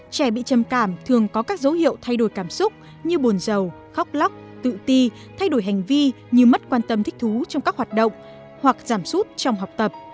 trẻ bị trầm cảm thường có các dấu hiệu thay đổi cảm xúc như buồn giàu khóc lóc tự ti thay đổi hành vi như mất quan tâm thích thú trong các hoạt động hoặc giảm sút trong học tập